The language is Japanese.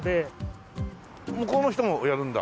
向こうの人もやるんだ？